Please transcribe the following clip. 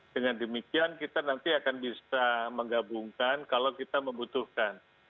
dengan demikian kita nanti akan bisa menggabungkan kalau kita membutuhkan